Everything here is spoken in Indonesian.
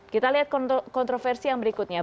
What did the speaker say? kita lihat kontroversi yang berikutnya